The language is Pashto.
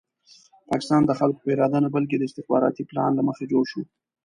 پاکستان د خلکو په اراده نه بلکې د استخباراتي پلان له مخې جوړ شو.